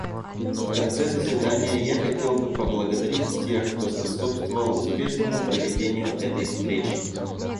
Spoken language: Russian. В конце заседания я хотел бы поблагодарить всех, кто способствовал успешному проведению этой встречи.